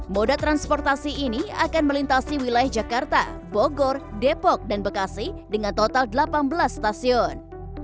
moda transportasi ini akan melintasi wilayah jakarta bogor depok dan bekasi dengan total delapan belas stasiun